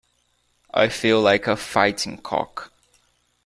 I feel like a fighting cock.